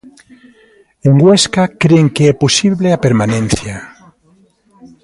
En Huesca cren que é posible a permanencia.